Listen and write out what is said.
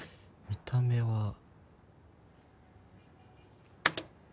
見た目は。